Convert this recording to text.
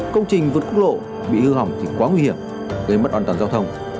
công trình vượt quốc lộ bị hư hỏng thì quá nguy hiểm gây mất an toàn giao thông